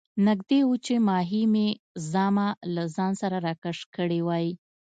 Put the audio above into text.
نږدې وو چې ماهي مې زامه له ځان سره راکش کړې وای.